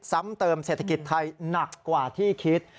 ซ้ำเติมเศรษฐกิจไทยหนักกว่าที่คิด